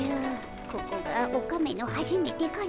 ここがオカメのはじめてかの。